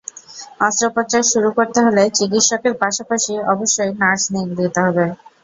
অস্ত্রোপচার শুরু করতে হলে চিকিৎসকের পাশাপাশি অবশ্যই নার্স নিয়োগ দিতে হবে।